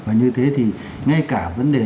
và như thế thì ngay cả vấn đề